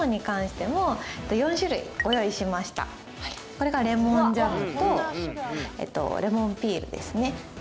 これがレモンジャムとレモンピールですね。